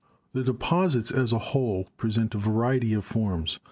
The deposits as a whole present a variety of forms.